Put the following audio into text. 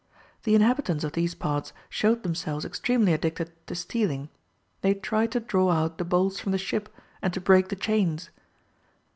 The inhabitants of these parts showed themselves extremely addicted to stealing; they tried to draw out the bolts from the ship and to break the chains.